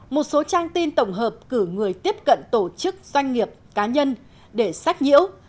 một số trang tin tổng hợp cử người tiếp cận tổ chức doanh nghiệp cá nhân để sách nhiễu